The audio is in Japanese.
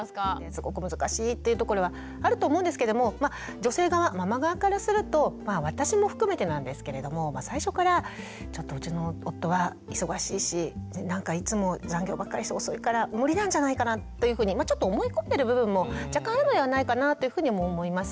すごく難しいっていうところはあると思うんですけども女性側ママ側からすると私も含めてなんですけれども最初からちょっとうちの夫は忙しいしなんかいつも残業ばっかりして遅いから無理なんじゃないかなというふうにちょっと思い込んでる部分も若干あるのではないかなというふうにも思います。